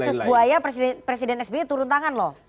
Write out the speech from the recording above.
dulu pada saat cicat versus buaya presiden sby turun tangan loh